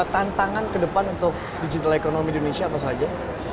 tantangan kedepan untuk digital economy di indonesia apa saja